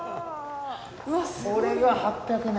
これが８００年。